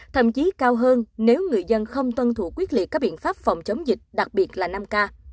thậm chí cao hơn nếu người dân không tuân thủ quyết liệt các biện pháp phòng chống dịch đặc biệt là năm k